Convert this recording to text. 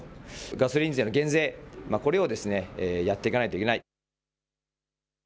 ガソリン税の減税、これをですねやっていかないといけない。